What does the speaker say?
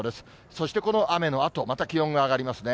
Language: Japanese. そして、この雨のあと、また気温が上がりますね。